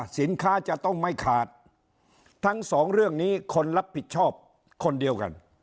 สินค้าจะต้องไม่ขาดทั้งสองเรื่องนี้คนรับผิดชอบคนเดียวกัน